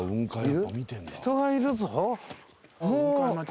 人がいるぞ